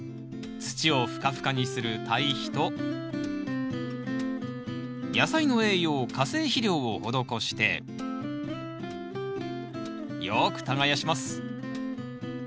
土をふかふかにする堆肥と野菜の栄養化成肥料を施してよく耕します。